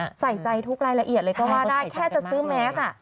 ใส่ใจทุกรายละเอียดเลยก็ว่าได้แค่จะซื้อแมสอ่ะ